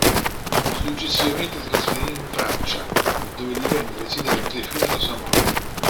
Successivamente si trasferì in Francia dove divenne residente fino alla sua morte.